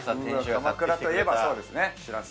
鎌倉といえばそうですねしらす。